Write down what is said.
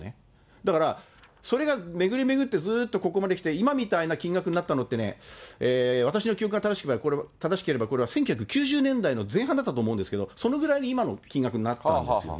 だから、それが巡り巡ってずっとここまで来て、今みたいな金額になったのってね、私の記憶が正しければ、これは１９９０年代の前半だったと思うんですけど、そのぐらいに今の金額になったんですよね。